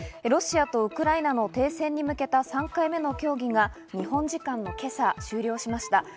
ロシアとウクライナの停戦に向けた３回目の協議が日本時間の今朝、終了しました。